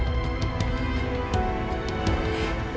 gue tau dia